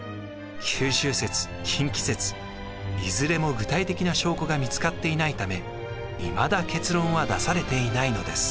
九州説近畿説いずれも具体的な証拠が見つかっていないためいまだ結論は出されていないのです。